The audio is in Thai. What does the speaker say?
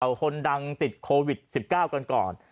เอาคนดังติดโควิด๑๙กันก่อน